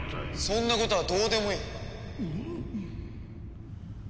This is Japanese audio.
そんなことはどうでもいい。